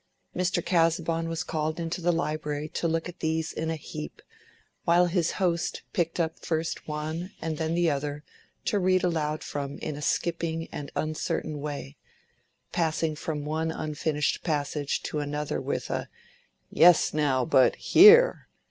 Mr. Casaubon was called into the library to look at these in a heap, while his host picked up first one and then the other to read aloud from in a skipping and uncertain way, passing from one unfinished passage to another with a "Yes, now, but here!"